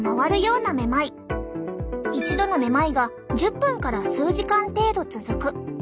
一度のめまいが１０分から数時間程度続く。